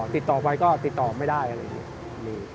ติดต่อไปก็ติดต่อไม่ได้อะไรอย่างนี้